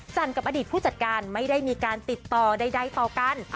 กับอดีตผู้จัดการไม่ได้มีการติดต่อใดต่อกัน